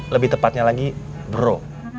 lebih tepatnya lagi bro